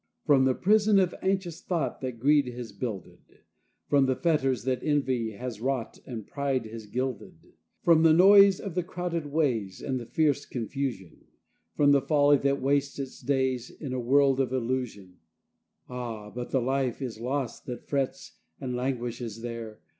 V From the prison of anxious thought that greed has builded, From the fetters that envy has wrought and pride has gilded, From the noise of the crowded ways and the fierce confusion, From the folly that wastes its days in a world of illusion, (Ah, but the life is lost that frets and languishes there!)